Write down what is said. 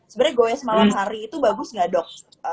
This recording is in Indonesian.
sebenarnya goes malam sari itu bagus gak dok